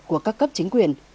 của các cấp chính quyền